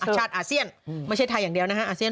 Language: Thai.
ทันมั้ยเนี่ย